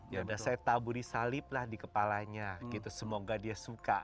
ya udah saya taburi salib lah di kepalanya gitu semoga dia suka